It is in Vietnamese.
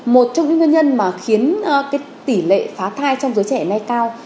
một trong những nguyên nhân mà khiến cái tỉ lệ phá thai trong giới trẻ này cao